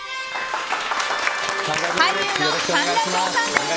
俳優の神田穣さんです。